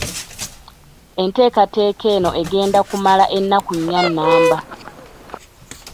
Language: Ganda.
Enteekateeka eno egenda kumala ennaku nnya nnamba.